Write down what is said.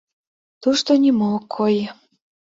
Тушто нимо ок кой.